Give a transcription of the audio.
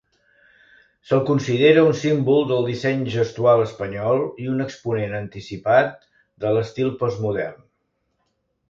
Se'l considera un símbol del disseny gestual espanyol i un exponent anticipat de l’estil postmodern.